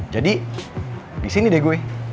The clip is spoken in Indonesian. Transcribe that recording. jadi di sini deh gue